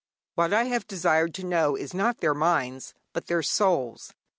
What I have desired to know is not their minds, but their souls.